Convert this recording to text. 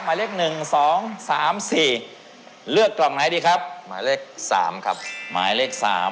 หมายเลข๓นะฮะโอเค